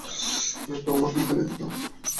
নয়তো আমাকেই এখানে দিতে হবে।